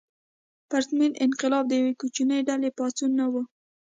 پرتمین انقلاب د یوې کوچنۍ ډلې پاڅون نه و.